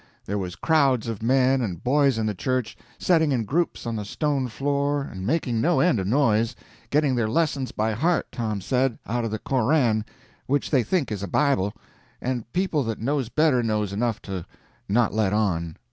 There was crowds of men and boys in the church, setting in groups on the stone floor and making no end of noise—getting their lessons by heart, Tom said, out of the Koran, which they think is a Bible, and people that knows better knows enough to not let on.